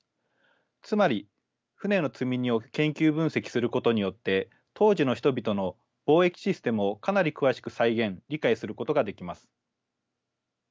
つまり船の積み荷を研究分析することによって当時の人々の貿易システムをかなり詳しく再現理解することができます。